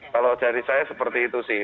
kalau dari saya seperti itu sih